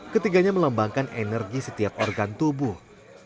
ketiganya melambangkan energi setiap organ tubuh